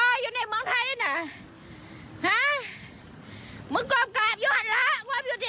รึเปล่าทิกกับเรียกข้าวด้วย